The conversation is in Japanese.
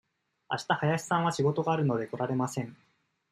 あした林さんは仕事があるので、来られません。